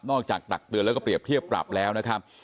ตักเตือนแล้วก็เปรียบเทียบปรับแล้วนะครับ